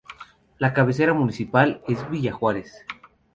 La cabecera municipal es Villa Juárez.